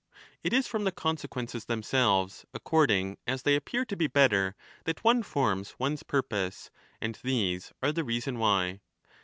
It is from the consequences themselves, according as they appear to be better, that one forms one's purpose, and these are the reason why.